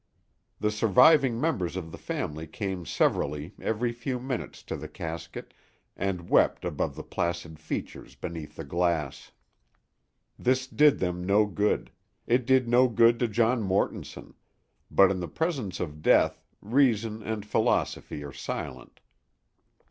The surviving members of the family came severally every few minutes to the casket and wept above the placid features beneath the glass. This did them no good; it did no good to John Mortonson; but in the presence of death reason and philosophy are silent.